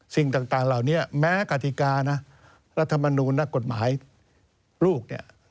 สิ่งต่างเหล่านี้แม้กฎิการรัฐมนูนนักกฎหมายลูก